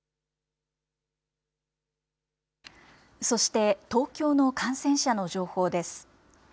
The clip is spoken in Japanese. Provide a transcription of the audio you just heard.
そして、東京の感染者の情報です。